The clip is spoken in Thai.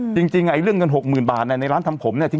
จริงไอ้เรื่องเงินหกหมื่นบาทในร้านทำผมเนี่ย